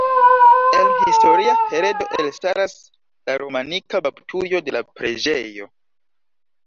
El historia heredo elstaras la romanika baptujo de la preĝejo.